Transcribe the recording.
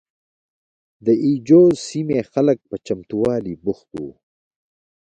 د اي جو سیمې خلک په چمتوالي بوخت وو.